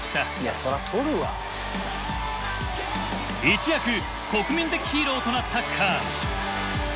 一躍国民的ヒーローとなったカーン。